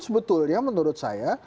sebetulnya menurut saya